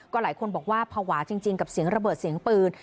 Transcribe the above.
หลายคนบอกว่าภาวะจริงกับเสียงระเบิดเสียงปืน